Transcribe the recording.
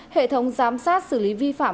hệ thống giám sát xử lý vi phạm